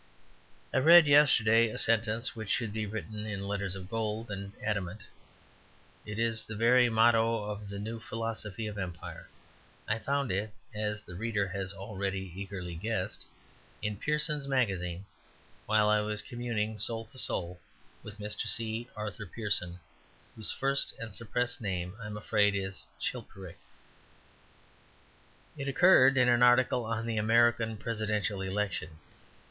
I read yesterday a sentence which should be written in letters of gold and adamant; it is the very motto of the new philosophy of Empire. I found it (as the reader has already eagerly guessed) in Pearson's Magazine, while I was communing (soul to soul) with Mr. C. Arthur Pearson, whose first and suppressed name I am afraid is Chilperic. It occurred in an article on the American Presidential Election.